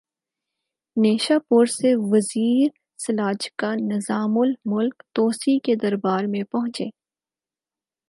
نیشا پور سے وزیر سلاجقہ نظام الملک طوسی کے دربار میں پہنچے